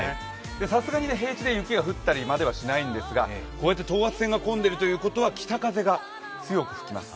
さすがに平地で雪が降ったりまではないんですがこうやって等圧線が混んでいるということは北風が強く吹きます。